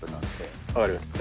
わかりました。